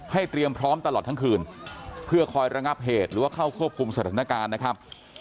เตรียมพร้อมตลอดทั้งคืนเพื่อคอยระงับเหตุหรือว่าเข้าควบคุมสถานการณ์นะครับ